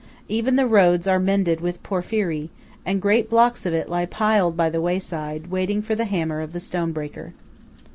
Even the roads are mended with porphyry, and great blocks of it lie piled by the wayside, waiting for the hammer of the stone breaker.